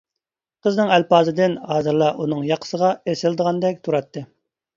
قىزنىڭ ئەلپازىدىن ھازىرلا ئۇنىڭ ياقىسىغا ئېسىلىدىغاندەك تۇراتتى.